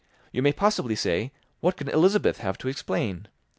You may possibly say, What can Elizabeth have to explain?